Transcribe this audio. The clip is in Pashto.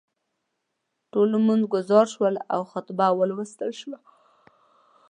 ټول لمونځ ګزار شول او خطبه ولوستل شوه.